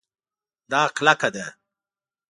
دا کلکه ده